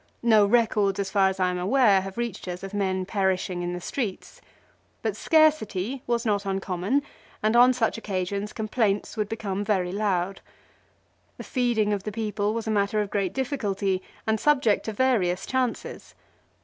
No records as far as I am aware have reached us of men perishing in the streets. But scarcity was not uncommon, and on such occasions, complaints would become very loud. The feeding of the people was a matter of great difficulty and subject to various chances.